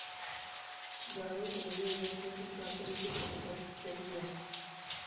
driver کے بغیر bus نے خودکار طریقے سے سفر طے کیا